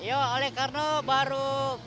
ya oleh karna baru